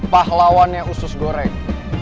pahlawannya usus goreng